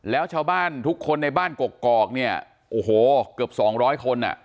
แล้วชาวบ้านทุกคนในบ้านกกอกเนี่ยโอ้โหเกือบ๒๐๐คนอ่ะ